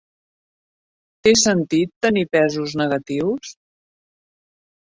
Té sentit tenir pesos negatius?